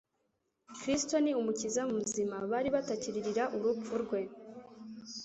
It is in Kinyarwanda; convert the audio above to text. Kristo ni Umukiza muzima. Bari batakiririra urupfu rwe.